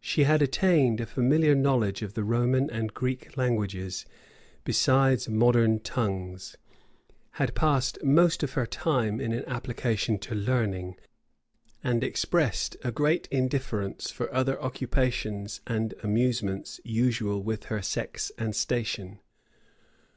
She had attained a familiar knowledge of the Roman and Greek languages, besides modern tongues; had passed most of her time in an application to learning; and expressed a great indifference for other occupations and amusements usual with her sex and station.